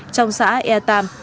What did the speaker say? trong xã e tam